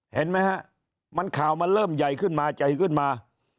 เห็นไหมฮะมันข่าวมันเริ่มใหญ่ขึ้นมาใหญ่ขึ้นมา